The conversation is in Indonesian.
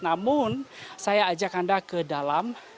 namun saya ajak anda ke dalam